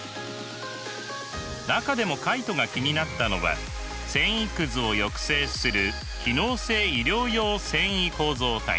中でもカイトが気になったのは繊維くずを抑制する機能性衣料用繊維構造体。